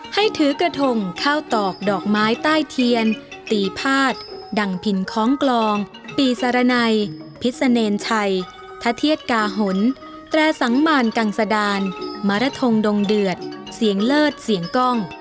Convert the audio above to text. ให้ถือกระทงข้าวตอกดอกไม้ใต้เทียนตีพาดดังพินคล้องกลองปีสารนัยพิษเนรชัยทะเทศกาหลแตรสังมารกังสดานมรทงดงเดือดเสียงเลิศเสียงกล้อง